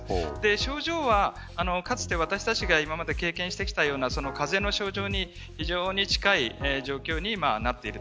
症状は、かつて私たちが今まで経験してきたような風邪の症状に非常に近い状況になっている。